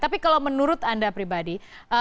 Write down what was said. tapi kalau menurut anda pribadi